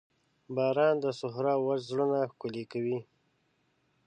باران د صحرا وچ زړونه ښکلي کوي.